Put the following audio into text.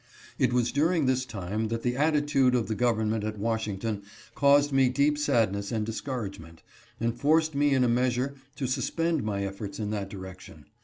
It was dur _ ing this time that the attitude of the government at Washington caused me deep sadness and discouragement, and forced me in a measure to suspend my efforts in that direction.